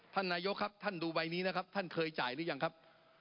ท่านนายกครับท่านดูใบนี้นะครับท่านเคยจ่ายหรือยังครับ